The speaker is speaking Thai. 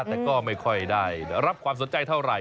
แต่ก็ไม่ค่อยได้รับความสนใจเท่าไหร